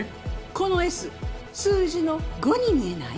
このＳ数字の５に見えない？